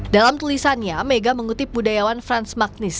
dalam tulisannya mega mengutip budayawan frans magnis